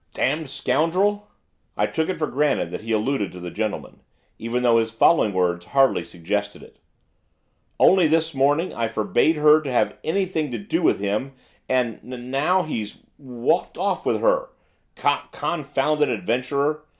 'Damned scoundrel!' I took it for granted that he alluded to the gentleman, even though his following words hardly suggested it. 'Only this morning I forbade her to have anything to do with him, and n now he's w walked off with her! C confounded adventurer!